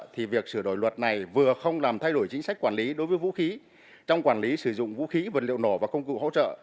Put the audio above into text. thì việc sửa đổi luật này vừa không làm thay đổi chính sách quản lý đối với vũ khí trong quản lý sử dụng vũ khí vật liệu nổ và công cụ hỗ trợ